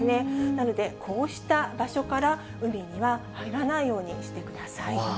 なので、こうした場所から海には入らないようにしてください。